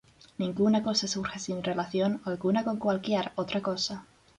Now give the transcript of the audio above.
Ninguna cosa surge sin relación alguna con cualquier otra cosa".